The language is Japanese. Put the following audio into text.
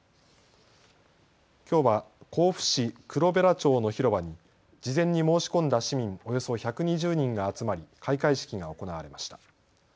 きょうは甲府市黒平町の広場に事前に申し込んだ市民およそ１２０人が集まり開会式が行われました。